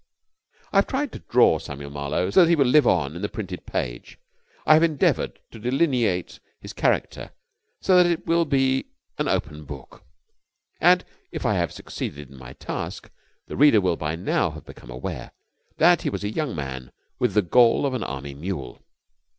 I have tried to draw Samuel Marlowe so that he will live on the printed page. I have endeavoured to delineate his character so that it will be as an open book. And, if I have succeeded in my task, the reader will by now have become aware that he was a young man with the gall of an Army mule.